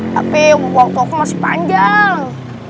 tapi waktu aku masih panjang